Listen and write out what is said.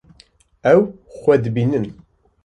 Ew xwe dibînin.